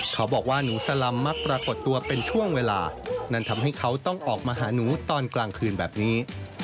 เขาบอกว่าหนูสลำมักปรากฏตัวเป็นช่วงเวลานั้นทำให้เขาต้องออกมาหาหนูตอนกลางคืนแบบนี้